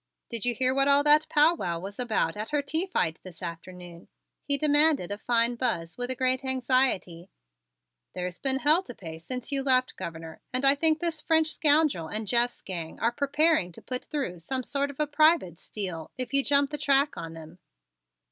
Did you hear what all that powwow was about at her tea fight this afternoon?" he demanded of fine Buzz, with a great anxiety. "There's been hell to pay, since you left, Governor, and I think this French scoundrel and Jeff's gang are preparing to put through some sort of a private steal if you jump the track on them."